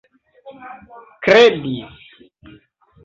kredis